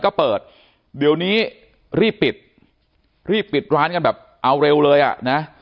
ก็เปิดเดี๋ยวนี้รีบปิดรีบปิดร้านกันแบบเอาเร็วเลยอ่ะนะ